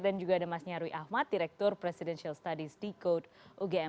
dan juga ada mas nyarwi ahmad direktur presidential studies dekode ugm